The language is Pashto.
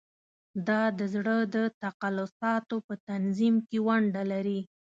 دا د زړه د تقلصاتو په تنظیم کې ونډه لري.